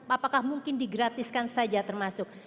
apakah mungkin digratiskan saja termasuk